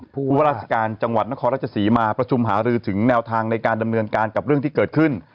ผู้ว่าราชการจังหวัดนครราชศรีมาประชุมหารือถึงแนวทางในการดำเนินการกับเรื่องที่เกิดขึ้น